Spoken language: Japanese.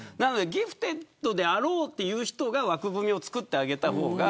ギフテッドであろうという人が枠組みを作ってあげた方が。